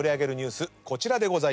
こちらでございます。